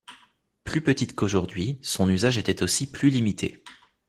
Plus petite qu'aujourd'hui, son usage était aussi plus limité.